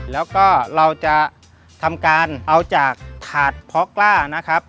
แล้วก็เราจะทำการเอาจากถาดเพาะกล้านะครับ